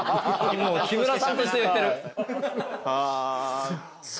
木村さんとして言ってる。